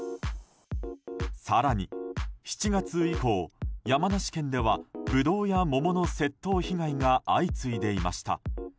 更に、７月以降、山梨県ではブドウや桃の窃盗被害が相次いでいました。